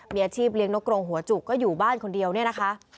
มีอาชีพเลี้ยงนกกรงหัวจุกก็อยู่บ้านคนเดียวเนี่ยนะคะ